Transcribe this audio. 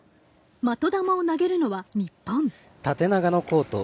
的球を投げるのは日本。